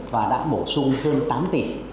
và đã bổ sung hơn tám tỷ